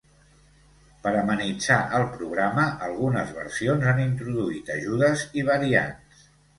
Per amenitzar el programa, algunes versions han introduït ajudes i variants.